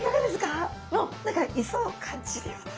何か磯を感じるような。